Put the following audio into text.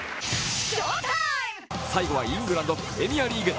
最後はイングランド・プレミアリーグ。